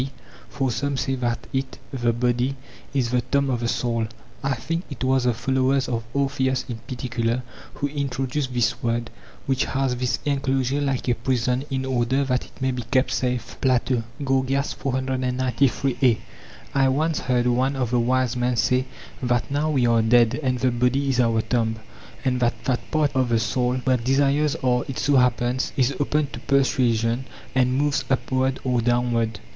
For some say that it (the body) is the tomb of the soul—I think it was the followers of Orpheus in particular who introduced this word—which has this enclosure like a prison in order that it may be kept safe. | Gorg. 493 a. I once heard one of the wise men say that now we are dead and the body is our tomb, and that that part of the soul where desires are, it so happens, is open to persuasion, and moves upward or downward.